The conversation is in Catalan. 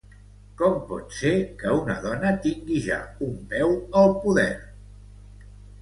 Com pot ser que una dona tingui ja un peu al poder?